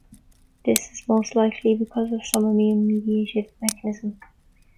This is most likely because of some immune-mediated mechanism.